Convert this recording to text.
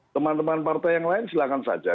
teman teman partai yang lain silahkan saja